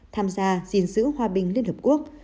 tham gia diễn giữ hòa bình liên hợp quốc